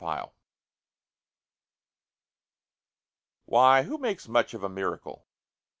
Miracles Why, who makes much of a miracle?